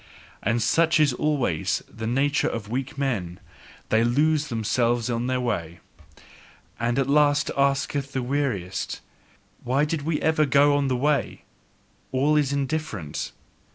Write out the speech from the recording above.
And such is always the nature of weak men: they lose themselves on their way. And at last asketh their weariness: "Why did we ever go on the way? All is indifferent!"